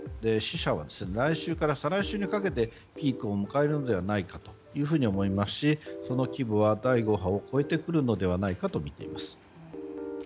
死者は来週から再来週にかけてピークを迎えるのではないかと思いますし、その規模は第５波を超えてくるのではないかとみています。